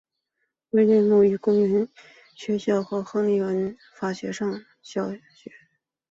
威廉姆森于雷登公园学校和亨利文法学校上学。